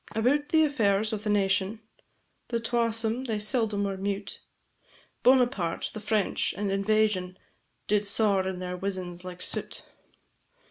About the affairs o' the nation, The twasome they seldom were mute; Bonaparte, the French, and invasion, Did saur in their wizens like soot.